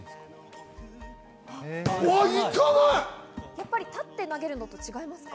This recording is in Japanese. やっぱり立って投げるのと違いますか？